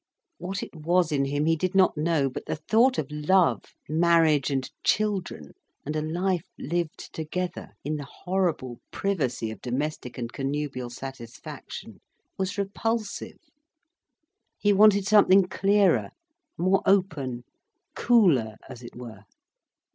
What it was in him he did not know, but the thought of love, marriage, and children, and a life lived together, in the horrible privacy of domestic and connubial satisfaction, was repulsive. He wanted something clearer, more open, cooler, as it were.